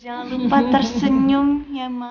jangan lupa tersenyum ya mak